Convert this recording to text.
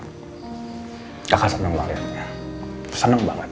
hai kakak seneng banget ya seneng banget